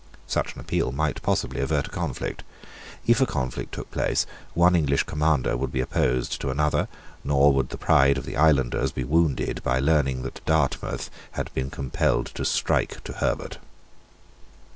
Such an appeal might possibly avert a conflict. If a conflict took place, one English commander would be opposed to another; nor would the pride of the islanders be wounded by learning that Dartmouth had been compelled to strike to Herbert.